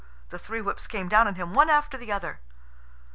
The three whips came down on him one after the other.